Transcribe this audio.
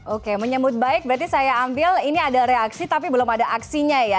oke menyambut baik berarti saya ambil ini ada reaksi tapi belum ada aksinya ya